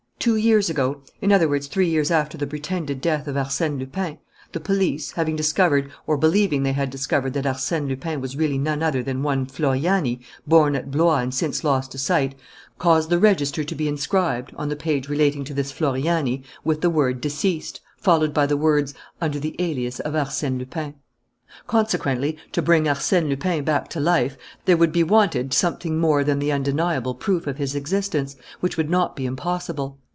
"Two years ago, in other words, three years after the pretended death of Arsène Lupin, the police, having discovered or believing they had discovered that Arsène Lupin was really none other than one Floriani, born at Blois and since lost to sight, caused the register to be inscribed, on the page relating to this Floriani, with the word 'Deceased,' followed by the words 'Under the alias of Arsène Lupin.' "Consequently, to bring Arsène Lupin back to life, there would be wanted something more than the undeniable proof of his existence, which would not be impossible.